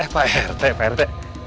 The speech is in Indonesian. pak rt pak rt